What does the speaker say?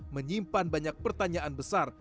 menyimpan banyak pertanyaan besar